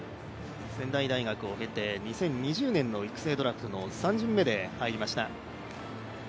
仙台大学を経て、２０２０年の育成ドラフトの３巡目で入りました。